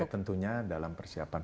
tentunya dalam persiapan